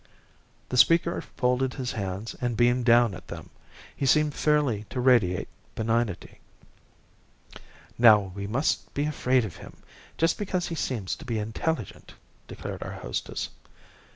The speaker folded his hands and beamed down at them; he seemed fairly to radiate benignity. "Now we mustn't be afraid of him, just because he seems to be intelligent," declared our hostess.